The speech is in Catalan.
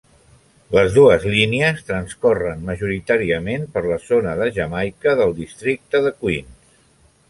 Les dues línies transcorren majoritàriament per la zona de Jamaica del districte de Queens.